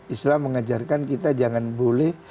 islam mengajarkan kita jangan boleh